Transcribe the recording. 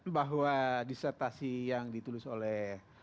bahwa disertasi yang ditulis oleh